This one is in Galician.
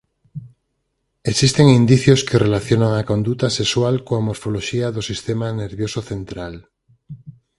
Existen indicios que relacionan a conduta sexual coa morfoloxía do sistema nervioso central.